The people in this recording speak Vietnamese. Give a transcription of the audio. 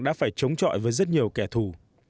đã phải chống chọi với rất nhiều kẻ thù